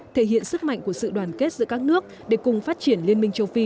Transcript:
thể hiện sức mạnh của sự đoàn kết giữa các nước để cùng phát triển liên minh châu phi